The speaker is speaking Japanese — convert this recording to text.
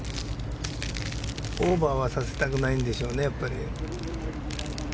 オーバーはさせたくないんでしょうね。